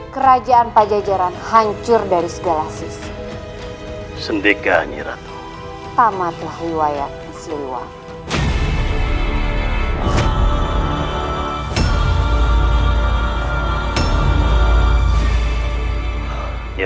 kerajaan pajajaran hancur dari segala sisi sendikanya ratu tamatlah hiwayatnya siliwangi